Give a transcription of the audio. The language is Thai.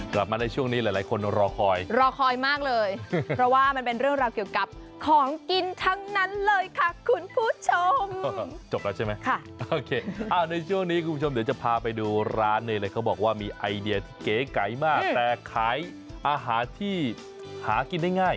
กลับมาในช่วงนี้หลายคนรอคอยรอคอยมากเลยเพราะว่ามันเป็นเรื่องราวเกี่ยวกับของกินทั้งนั้นเลยค่ะคุณผู้ชมจบแล้วใช่ไหมในช่วงนี้คุณผู้ชมเดี๋ยวจะพาไปดูร้านนี้เลยเขาบอกว่ามีไอเดียเก๋ไก่มากแต่ขายอาหารที่หากินได้ง่าย